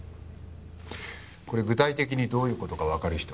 これ具体的にどういう事かわかる人？